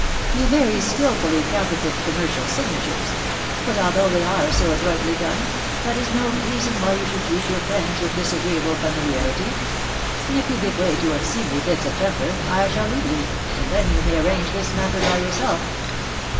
You very skilfully counterfeit commercial signatures; but, although they are so adroitly done, that is no reason why you should treat your friends with disagreeable familiarity; and, if you give way to unseemly fits of temper, I shall leave you, and then you may arrange this matter by yourself."